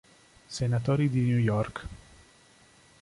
Senatori di New York